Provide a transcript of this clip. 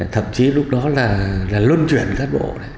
thậm chí lúc đó là luân chuyển cán bộ